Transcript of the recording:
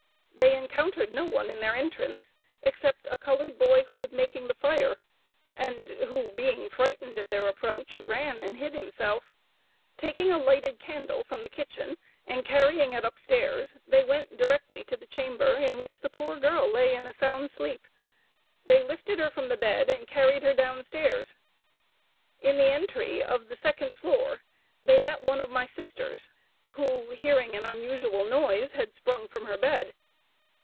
They encountered no one in their entrance, except a colored boy, who was making the fire; and who, being frightened at their approach, ran and hid himself; taking a lighted candle from the kitchen, and carrying it up stairs, they went directly to the chamber in which the poor girl lay in a sound sleep. They lifted her from her bed and carried her down stairs. In the entry of the second floor they met one of my sisters, who, hearing an unusual noise, had sprung from her bed.